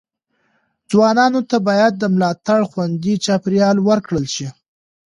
ځوانانو ته باید د ملاتړ خوندي چاپیریال ورکړل شي.